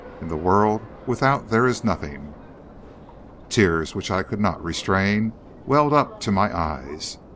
In the world without there is nothing.' "Tears, which I could not restrain, welled up to my eyes.